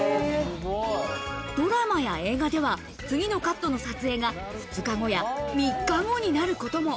ドラマや映画では次のカットの撮影が、２日後や３日後になることも。